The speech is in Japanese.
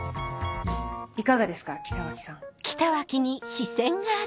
いかがですか北脇さん。